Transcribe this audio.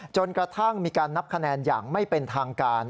จนกระทั่งมีการนับคะแนนอย่างไม่เป็นทางการ